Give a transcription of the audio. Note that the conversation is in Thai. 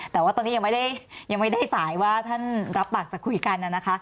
แต่ว่าตอนนี้ยังไม่ได้ยังไม่ได้สายว่าท่านรับปากจะคุยกันนะคะ